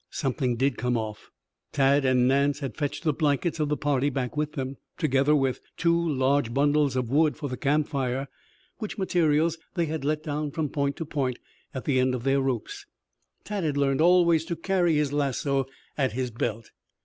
Something did come off. Tad and Nance had fetched the blankets of the party back with them, together with two large bundles of wood for the camp fire, which materials they had let down from point to point at the end of their ropes. Tad had learned always to carry his lasso at his belt.